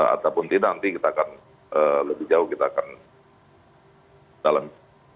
ataupun tidak nanti kita akan lebih jauh kita akan dalam